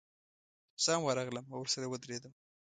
زه هم ورغلم او ورسره ودرېدم.